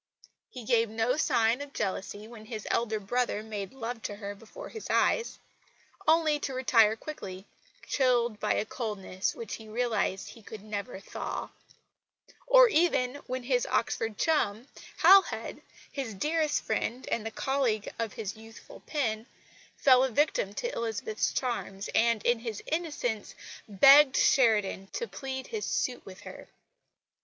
He gave no sign of jealousy when his elder brother made love to her before his eyes only to retire quickly, chilled by a coldness which he realised he could never thaw; or even when his Oxford chum, Halhed, his dearest friend and the colleague of his youthful pen, fell a victim to Elizabeth's charms, and, in his innocence, begged Sheridan to plead his suit with her.